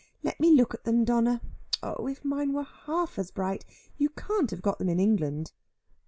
Let me look at them, Donna. Oh if mine were half as bright. You can't have got them in England."